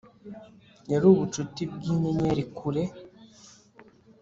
yari ubucuti bwinyenyeri kure